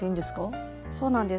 そうなんです。